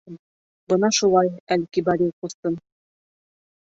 Бына шулай, Әл-Кибари кустым!